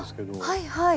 はいはい。